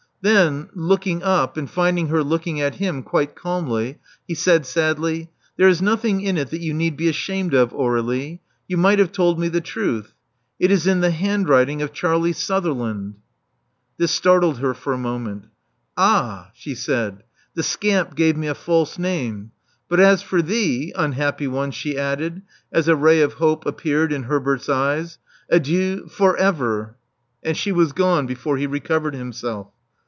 Th^n, looking up, and finding her looking at him quite calmly, he said sadly, There is nothing in it that you need be ashamed of, Aurelie. You might have told me the truth. It is in the handwriting of Charlie Suther land.'' This startled her for a moment. Ah," she said, the scamp gave me a false name. But as for thee, unhappy one," she added, as a ray of hope appeared in Herbert's eyes, '*adieu /or ever.'* And she was gone before he recovered himself.